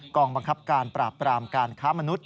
กองบังคับการปราบปรามการค้ามนุษย